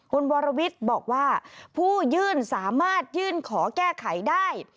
คุณวรวิทย์บอกว่าผู้ยื่นสามารถยื่นขอแก้ไขได้